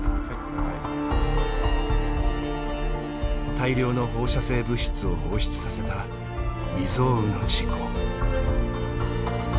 大量の放射性物質を放出させた未曽有の事故。